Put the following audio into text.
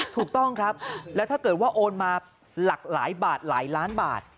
ถูกต้องครับแล้วถ้าเกิดว่าโอนมาหลากหลายบาทหลายล้านบาท